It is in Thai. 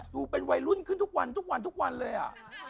ดูเป็นวัยรุ่นขึ้นทุกวันทุกวันทุกวันเลยอ่ะ